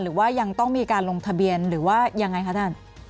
หรือว่ายังต้องมีการลงทะเบียนหรือว่ายังไงคะท่าน